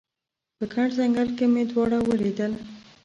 په ګڼ ځنګل کې مې دواړه ولیدل